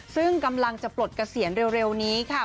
ซึ่งกำลังจะปลดเกษียณเร็วนี้ค่ะ